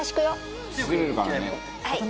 はい。